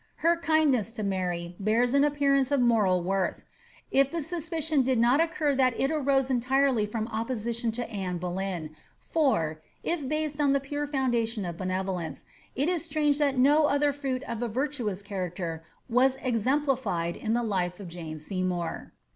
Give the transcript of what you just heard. Her kindness to Maiy bears an appearance of moral worth, if the suspicion did not occur that it arose entirely from opposition to Anne Boleyn , for, if based on the IMire foundation of benevolence, it is strange that no other fruit of i virtuous character was exemplified in the life of Jane Seymour.